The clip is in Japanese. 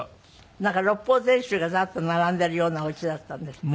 なんか『六法全書』がザッと並んでいるようなお家だったんですって？